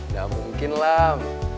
gak mungkin lam